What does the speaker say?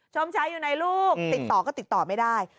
ชมชายอยู่ไหนลูกติดต่อก็ติดต่อไม่ได้